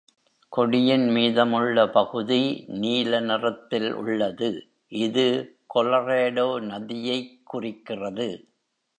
கொடியின் மீதமுள்ள பகுதி நீல நிறத்தில் உள்ளது, இது Colorado நதியைக் குறிக்கிறது.